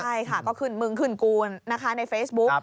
ใช่ค่ะก็ขึ้นมึงขึ้นกูลนะคะในเฟซบุ๊ก